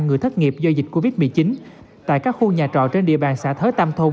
người thất nghiệp do dịch covid một mươi chín tại các khu nhà trọ trên địa bàn xã thới tam thôn